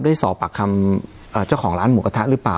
ได้สอบปากคำเจ้าของร้านหมูกระทะหรือเปล่า